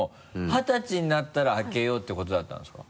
二十歳になったら開けようってことだったんですか？